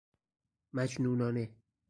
مجنونانه